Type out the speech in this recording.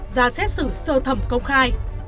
ra xét xử sơ thẩm công khai